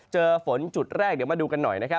เจอฝนจุดแรกเดี๋ยวมาดูกันหน่อย